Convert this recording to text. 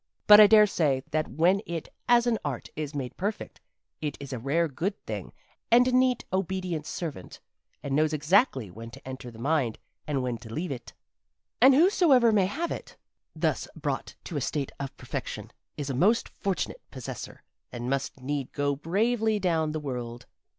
But I daresay that when it as an art is made perfect it is a rare good thing and a neat, obedient servant, and knows exactly when to enter the mind and when to leave it. And whosoever may have it, thus brought to a state of perfection, is a most fortunate possessor and must need go bravely down the world.